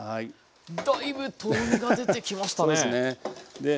だいぶとろみが出てきましたね。